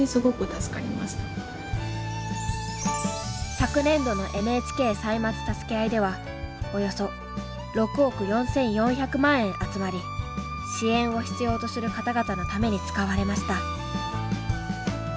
昨年度の「ＮＨＫ歳末たすけあい」ではおよそ６億４，４００万円集まり支援を必要とする方々のために使われました。